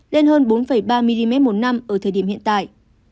lên hơn bốn ba mm một năm ở thời điểm hiện tại